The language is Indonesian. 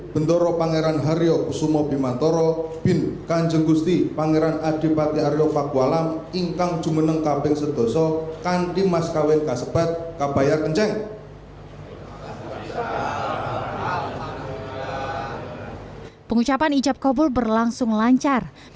bph kusuma bimantoro berlangsung lancar